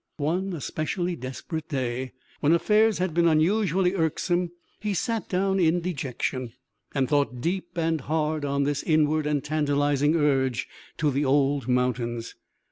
One especially desperate day, when affairs had been unusually irksome, he sat down in dejection and thought deep and hard on this inward and tantalizing urge to the old mountains.